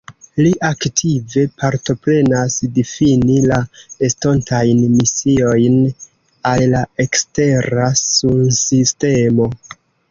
Li aktive partoprenas difini la estontajn misiojn al la ekstera sunsistemo.